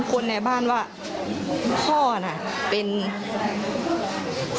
และก็มีการกินยาละลายริ่มเลือดแล้วก็ยาละลายขายมันมาเลยตลอดครับ